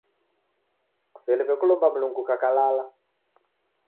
Kuseliw'e kulomba Mlungu kukakalala.